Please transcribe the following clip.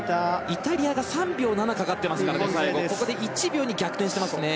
イタリアが３秒７かかっていますからここで１秒２逆転してますね。